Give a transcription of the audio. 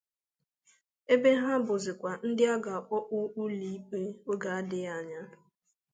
ebe ha bụzịkwa ndị a ga-akpụpụ ụlọ ikpe oge adịghị anya